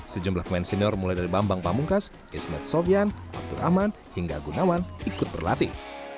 sejumlah pemain senior mulai dari bambang pamungkas ismed sofyan abdurrahman hingga gunawan ikut berlatih